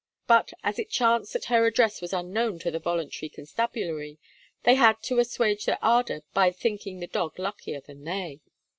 But as it chanced that her address was unknown to the volunteer constabulary, they had to assuage their ardour by thinking the dog luckier than they.